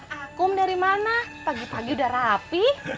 akum dari mana pagi pagi udah rapi